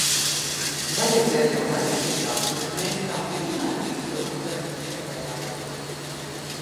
Vajadzēja jau laicīgāk, bet mēs kā vienmēr visu atceramies pēdējā brīdī.